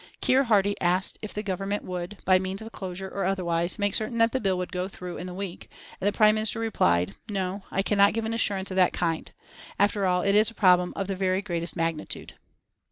Keir Hardie asked if the Government would, by means of a closure or otherwise, make certain that the bill would go through in the week, and the Prime Minister replied, "No, I cannot give an assurance of that kind. After all, it is a problem of the very greatest magnitude."